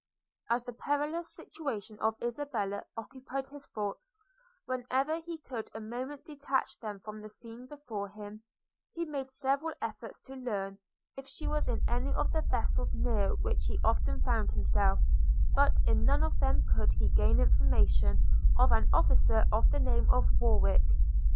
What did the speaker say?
As the perilous situation of Isabella occupied his thoughts, whenever he could a moment detach them from the scene before him, he made several efforts to learn, if she was in any of the vessels near which he often found himself; but in none of them could he gain information of an officer of the name of Warwick.